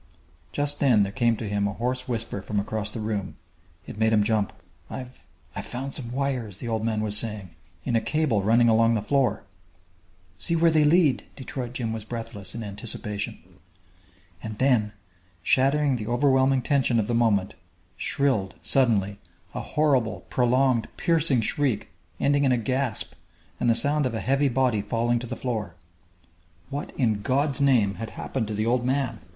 Just then there came to him a hoarse whisper from across the room. It made him jump. "I've I've found some wires," the old man was saying, "in a cable running along the floor " "See where they lead!" Detroit Jim was breathless, in anticipation. And then, shattering the overwhelming tension of the moment, shrilled, suddenly, a horrible, prolonged, piercing shriek ending in a gasp and the sound of a heavy body falling to the floor! What, in God's name, had happened to the old man?